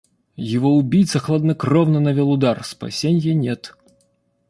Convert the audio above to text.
Его убийца хладнокровно навёл удар... спасенья нет.